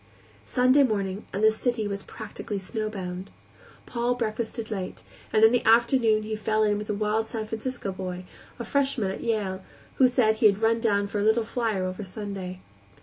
Sunday morning the city was practically snowbound. Paul breakfasted late, and in the afternoon he fell in with a wild San Francisco boy, a freshman at Yale, who said he had run down for a "little flyer" over Sunday.